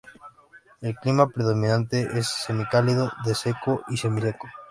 El clima predominante es semicálido de seco a semiseco.